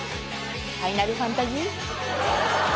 『ファイナルファンタジー』？